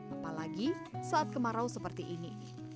apalagi saat kemarau seperti ini